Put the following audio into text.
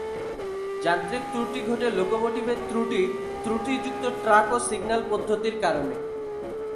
যান্ত্রিক ত্রুটি ঘটে লোকোমোটিভের ত্রুটি, ত্রুটিযুক্ত ট্র্যাক ও সিগন্যাল পদ্ধতির কারণে।